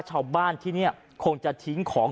ชาวบ้านที่นี่คงจะทิ้งของ